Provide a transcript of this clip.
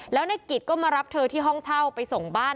แล้วในกิจก็มารับเธอที่ห้องเช่าไปส่งบ้าน